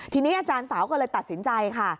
ทีนี้อาจารย์สาวก็เลยตัดสินใจค่ะ